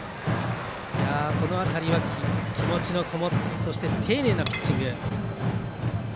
この辺りは気持ちのこもったそして、丁寧なピッチング。